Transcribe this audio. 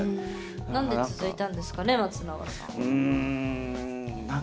何で続いたんですかね松永さんは。